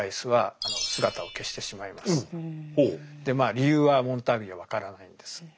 理由はモンターグには分からないんです。